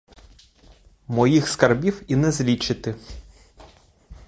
Моїх скарбів і не злічити.